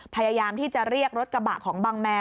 พยายามที่จะเรียกรถกระบะของบังแมน